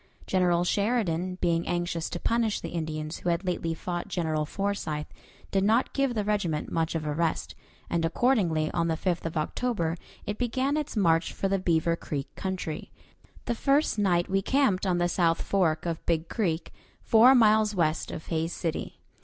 General Sheridan, being anxious to punish the Indians who had lately fought General Forsyth, did not give the regiment much of a rest, and accordingly on the 5th of October it began its march for the Beaver Creek country. The first night we camped on the south fork of Big Creek, four miles west of Hays City.